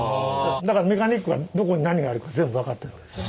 だからメカニックはどこに何があるか全部分かってるんですよ。